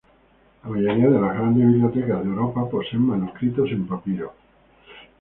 La mayoría de las grandes bibliotecas de Europa poseen manuscritos en papiro.